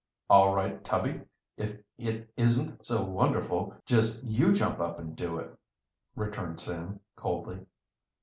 "All right, Tubby; if it isn't so wonderful, just you jump up and do it," returned Sam coldly.